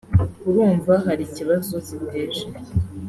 urumva hari ikibazo ziteje